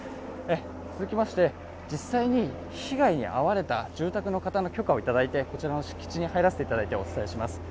続きまして、実際に被害に遭われた住宅の方の許可をいただいてこちらの敷地に入らせていただいてお伝えします。